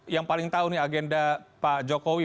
yang paling tahu nih agenda pak jokowi